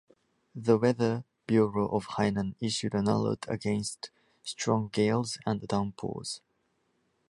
The weather bureau of Hainan issued an alert against strong gales and downpours.